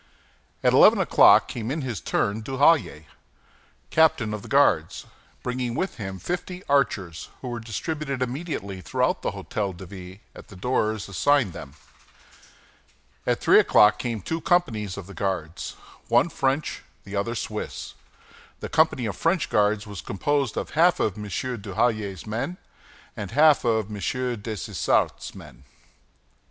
At eleven o'clock came in his turn Duhallier, captain of the Guards, bringing with him fifty archers, who were distributed immediately through the Hôtel de Ville, at the doors assigned them. At three o'clock came two companies of the Guards, one French, the other Swiss. The company of French guards was composed of half of M. Duhallier's men and half of M. Dessessart's men.